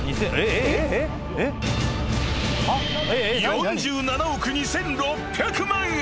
［４７億２，６００万円］